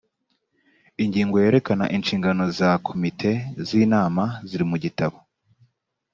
ingingo yerekana inshingano za komite z ‘inama zirimugitabo.